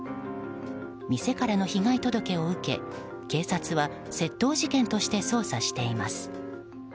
店からの被害届を受け、警察は窃盗事件として捜査しています。